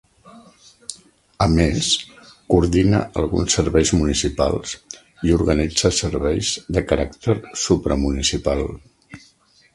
A més, coordina alguns serveis municipals i organitza serveis de caràcter supramunicipal.